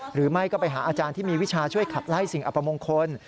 หรือไม่ก็ไปหาอาจารย์ที่มีวิชาช่วยขับไล่สิ่งอัปมงคล